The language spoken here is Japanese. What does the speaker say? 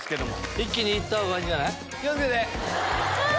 一気に行ったほうがいいんじゃない？